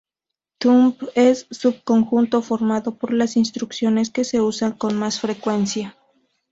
Thumb es un subconjunto formado por las instrucciones que se usan con más frecuencia.